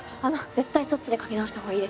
絶対そっちで描き直した方がいいですよ。